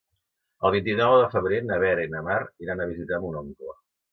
El vint-i-nou de febrer na Vera i na Mar iran a visitar mon oncle.